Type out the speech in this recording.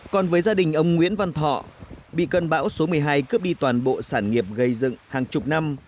còn với gia đình ông nguyễn văn thọ bị cơn bão số một mươi hai cướp đi toàn bộ sản nghiệp gây dựng hàng chục năm